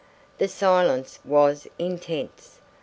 The silence was intense.